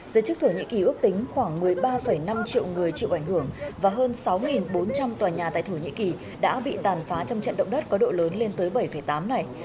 giới chức thổ nhĩ kỳ ước tính khoảng một mươi ba năm triệu người chịu ảnh hưởng và hơn sáu bốn trăm linh tòa nhà tại thổ nhĩ kỳ đã bị tàn phá trong trận động đất có độ lớn lên tới bảy tám này